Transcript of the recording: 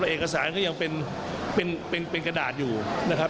เอกสารก็ยังเป็นกระดาษอยู่นะครับ